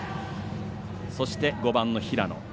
そして、５番の平野。